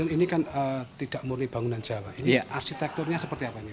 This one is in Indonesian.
ini kan tidak murni bangunan jawa arsitekturnya seperti apa